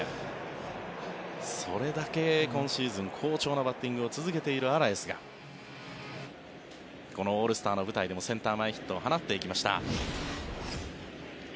それだけ今シーズン好調なバッティングを続けているアラエスがこのオールスターの舞台でもセンター前ヒットを放っていきました。